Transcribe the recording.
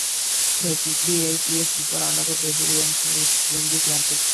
It would be eight years before another Brazilian would win the Grand Prix.